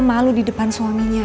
malu di depan suaminya